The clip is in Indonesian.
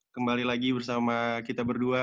kembali lagi bersama kita berdua